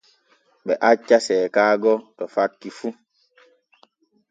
Ɓe acca seekaago to fakki fu.